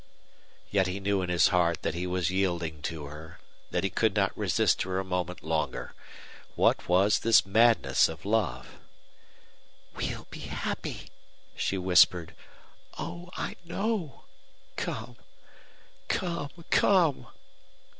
Yet he knew in his heart that he was yielding to her, that he could not resist her a moment longer. What was this madness of love? "We'll be happy," she whispered. "Oh, I know. Come! come! come!"